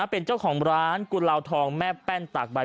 เป็นเจ้าของร้านกุลาวทองแม่แป้นตากใบ